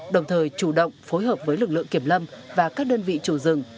đồng thời chủ động phối hợp với lực lượng kiểm lâm và các đơn vị chủ rừng